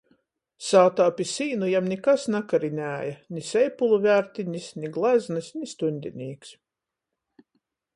Sātā pi sīnu jam nikas nakarinēja — ni seipulu viertinis, ni gleznys, ni stuņdinīks.